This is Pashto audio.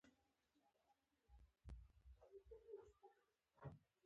څوک چي له علم سره دښمن دی